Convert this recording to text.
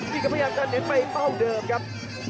นี่กำลังจะเหน็ดไปเจ้าเท่าเดิมครับ